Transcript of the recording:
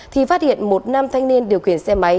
thì phát hiện một nam thanh niên điều khiển xe máy